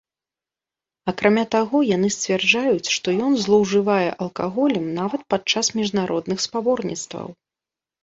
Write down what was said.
Акрамя таго, яны сцвярджаюць, што ён злоўжывае алкаголем нават падчас міжнародных спаборніцтваў.